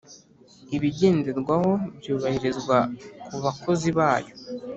ibigenderwaho byubahirizwa ku bakozi bayo